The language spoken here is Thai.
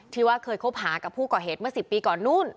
ว่าเคยคบหากับผู้ก่อเหตุเมื่อ๑๐ปีก่อนนู้น